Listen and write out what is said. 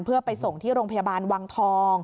เพื่อไปส่งที่โรงพยาบาลวังทอง